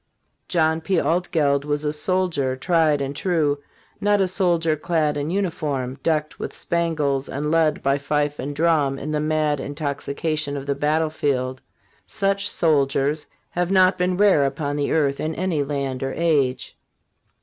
John P. Altgeld was a soldier tried and true ; not a soldier clad in uniform, decked with spangles and led by fife and drum in the mad intoxication of the battlefield; such soldiers have not been rare upon the earth in any land or age.